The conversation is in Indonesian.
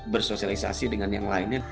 bersosialisasi dengan yang lainnya